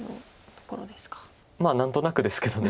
まあ何となくですけど。